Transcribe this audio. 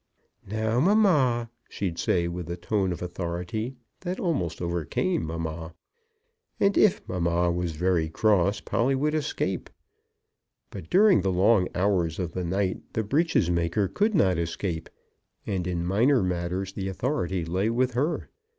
"Now, mamma!" she'd say with a tone of authority that almost overcame mamma. And if mamma was very cross, Polly would escape. But during the long hours of the night the breeches maker could not escape; and in minor matters the authority lay with her.